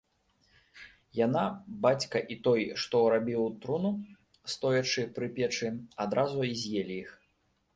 Яна, бацька і той, што рабіў труну, стоячы пры печы, адразу і з'елі іх.